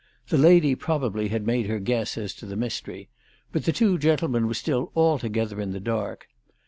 The lady probably had made her guess as to the mystery ; but the two gentlemen were still altogether in the dark.